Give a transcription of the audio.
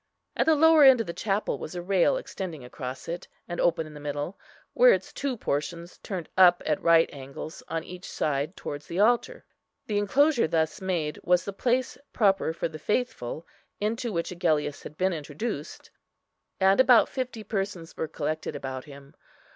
At the lower end of the chapel was a rail extending across it, and open in the middle, where its two portions turned up at right angles on each side towards the altar. The enclosure thus made was the place proper for the faithful, into which Agellius had been introduced, and about fifty persons were collected about him.